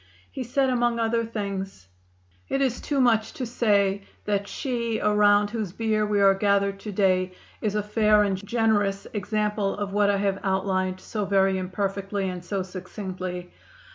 He said, among other things: "It is too much to say that she around whose bier we are gathered to day is a fair and generous example of what I have outlined so very imperfectly and so succinctly.